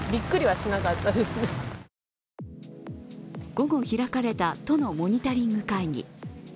午後開かれた都のモニタリング会議。